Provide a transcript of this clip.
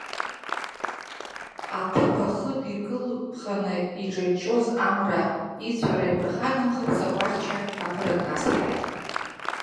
Аҭыԥ ахыб икылԥханы иҿаҷҷоз амра, ицәара иаԥырхагамхарц, акәахьча аԥыракнасҳаит.